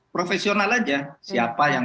profesional saja siapa yang